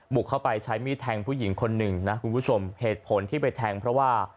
บุกเข้าไปใช้มีดแทงผู้หญิงคนหนึ่งนะคุณผู้ชมเหตุผลที่ไปแทงเพราะว่า